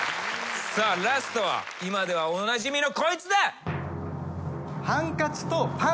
さあラストは今ではおなじみのこいつだ。